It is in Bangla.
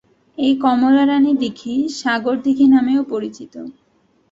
এই কমলা রাণী দিঘী সাগর দিঘি নামেও পরিচিত।